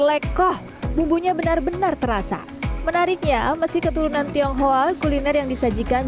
lekoh bumbunya benar benar terasa menariknya meski keturunan tionghoa kuliner yang disajikan